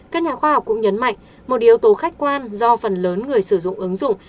các nhà khoa học cũng nhấn mạnh một yếu tố khách quan do phần lớn người sử dụng ứng dụng